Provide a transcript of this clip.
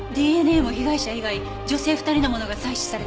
ＤＮＡも被害者以外女性２人のものが採取されたわ。